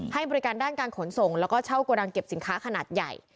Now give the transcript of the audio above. ให้บริการด้านการขนส่งแล้วก็เช่าโกดังเก็บสินค้าขนาดใหญ่